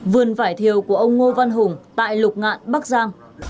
vườn vải thiều của ông ngô văn hùng tại lục ngạn bắc giang